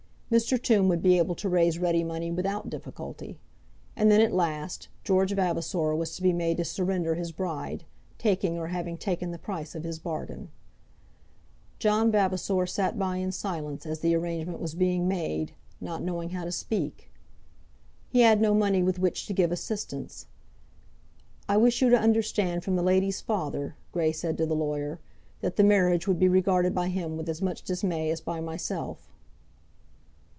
Mr. Tombe would be able to raise ready money without difficulty. And then, at last, George Vavasor was to be made to surrender his bride, taking or having taken the price of his bargain. John Vavasor sat by in silence as the arrangement was being made, not knowing how to speak. He had no money with which to give assistance. "I wish you to understand from the lady's father," Grey said to the lawyer, "that the marriage would be regarded by him with as much dismay as by myself."